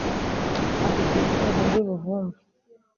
Afite ibikoresho by ‘ubuvumvu.